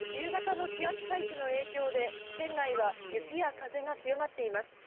強い寒気と冬型の気圧配置の影響で、県内は雪や風が強まっています。